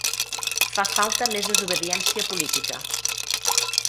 Fa falta més desobediència política.